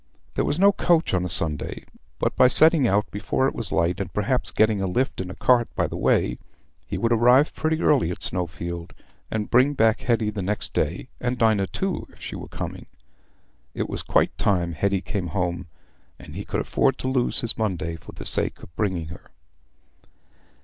There was no coach on a Sunday, but by setting out before it was light, and perhaps getting a lift in a cart by the way, he would arrive pretty early at Snowfield, and bring back Hetty the next day—Dinah too, if she were coming. It was quite time Hetty came home, and he would afford to lose his Monday for the sake of bringing her.